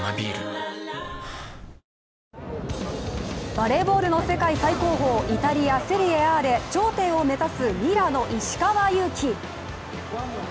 バレーボールの世界最高峰イタリア・セリエＡで頂点を目指すミラノ・石川祐希。